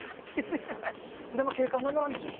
でも警官、名乗らんでしょ。